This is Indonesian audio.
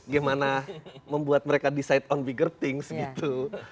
gimana membuat mereka decide on bigger things gitu